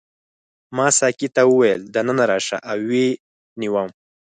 ما ساقي ته وویل دننه راشه او ویې نیوم.